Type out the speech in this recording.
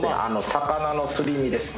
魚のすり身ですね。